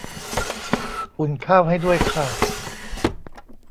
อุ่นข้าวให้ด้วยค่ะ